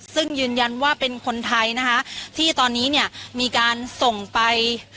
ซึ่งยืนยันว่าเป็นคนไทยนะคะที่ตอนนี้เนี่ยมีการส่งไป